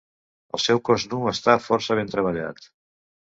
El seu cos nu està força ben treballat.